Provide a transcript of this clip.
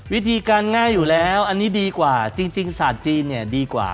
วิธีการง่ายอยู่แล้วอันนี้ดีกว่าจริงศาสตร์จีนเนี่ยดีกว่า